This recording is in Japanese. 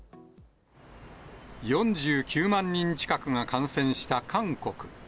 ４９万人近くが感染した韓国。